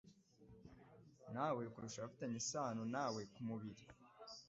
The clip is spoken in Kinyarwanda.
na we kurusha abafitanye isano na we ku mubiri.